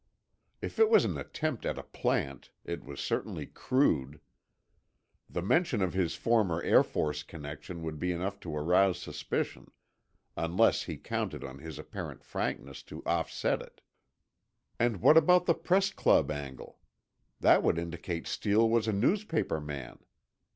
If it was an attempt at a plant, it was certainly crude. The mention of his former Air Force connection would be enough to arouse suspicion, unless he counted on his apparent frankness to offset it. And what about the Press Club angle? That would indicate Steele was a newspaperman.